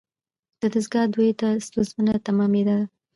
دا دستگاه دوی ته ستونزمنه تمامیدله.